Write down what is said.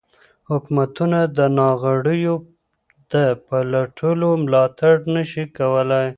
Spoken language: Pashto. حکومتونه د ناغیړیو د پټولو ملاتړ نشي کولای.